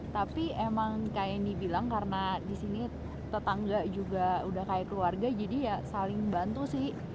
tapi emang kayak dibilang karena di sini tetangga juga udah kayak keluarga jadi ya saling bantu sih